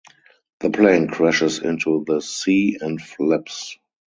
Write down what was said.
The plane crashes into the sea and flips.